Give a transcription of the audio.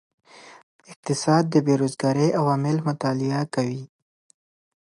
اقتصاد د بیروزګارۍ عوامل مطالعه کوي.